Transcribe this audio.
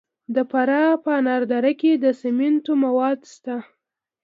د فراه په انار دره کې د سمنټو مواد شته.